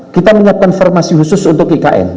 kita menyiapkan formasi khusus untuk ikn